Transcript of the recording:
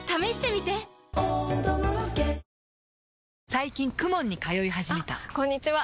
最近 ＫＵＭＯＮ に通い始めたあこんにちは！